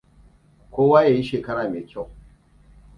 Kowa ya yi shekara mai kyau.